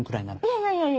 いやいやいや。